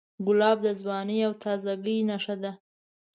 ګلاب د ځوانۍ او تازهګۍ نښه ده.